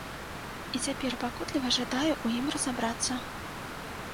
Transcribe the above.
І цяпер пакутліва жадаю ў ім разабрацца.